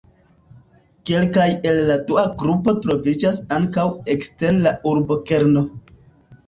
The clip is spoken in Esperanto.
Kelkaj el la dua grupo troviĝas ankaŭ ekster la urbokerno.